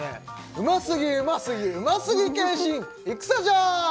うますぎうますぎうますぎ謙信戦じゃ！